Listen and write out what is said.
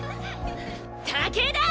武田！